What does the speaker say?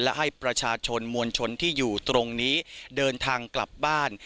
และให้ประชาชนมวลชนที่อยู่ตรงนี้เดินทางกลับบ้าน